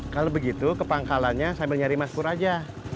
kalau begitu ke pangkalannya sambil nyari mas pur aja